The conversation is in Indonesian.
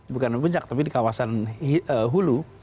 bukan puncak tapi di kawasan hulu